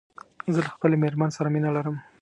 زه له خپلې ميرمن سره مينه لرم